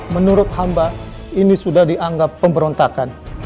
menurut hamba ini sudah dianggap pemberontakan